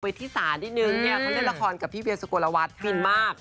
ที่สานิดนึงเนี่ยเขาเล่นละครกับพี่เวียสุโกลวัฒน์ฟินมาก